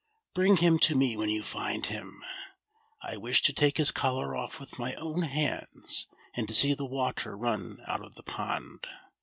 Bring him to me when you find him. I wish to take his collar ofi" with m\' own hands, and to see the water run out of the pond.